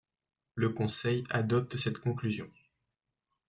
Le conseil adopte cette conclusion.